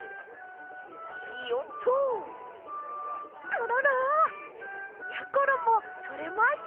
コロロ！やころもとれました！